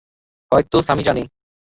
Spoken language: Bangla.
হয়তো সামি জানে।